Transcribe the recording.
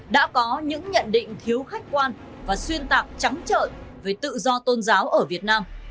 đã có những nhận định thiếu khách quan và xuyên tạc trắng trợi về tự do tôn giáo ở việt nam